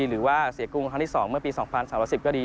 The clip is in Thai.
หรือว่าเสียกรุงครั้งที่๒เมื่อปี๒๓๑๐ก็ดี